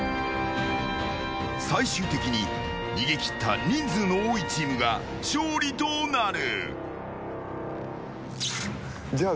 最終的に逃げ切った人数の多いチームが勝利となる！